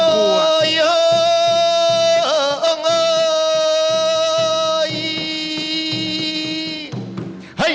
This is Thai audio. แดงเมืองี่